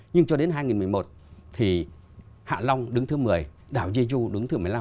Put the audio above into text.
nhưng cho đến hai nghìn một mươi một thì hạ long đứng thứ một mươi đảo jeju đứng thứ một mươi năm